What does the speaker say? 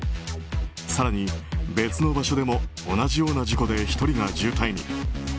更に別の場所でも同じような事故で１人が重体に。